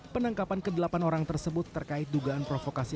penangkapan ke delapan orang tersebut terkait dugaan provokasi